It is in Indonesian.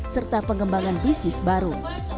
serta pengembangan bisnis baru